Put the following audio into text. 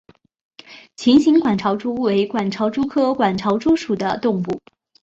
琴形管巢蛛为管巢蛛科管巢蛛属的动物。